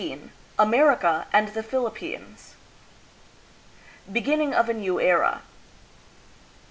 AMERICA AND THE PHILIPPINES. Beginning of a New Era.